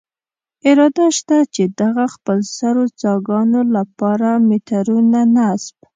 اراده شته، چې دغو خپلسرو څاګانو له پاره میټرونه نصب.